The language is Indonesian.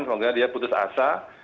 semoga dia putus asa